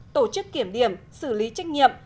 tổ chức kiểm điểm xử lý trách nhiệm